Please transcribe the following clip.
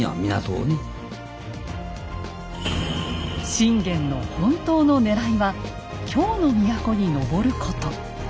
信玄の本当のねらいは京の都に上ること。